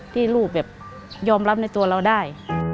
ที่ลูกแบบยอมรับในตัวเราได้